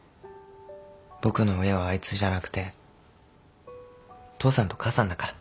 僕の親はあいつじゃなくて父さんと母さんだから